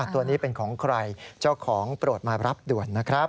ตัวนี้เป็นของใครเจ้าของโปรดมารับด่วนนะครับ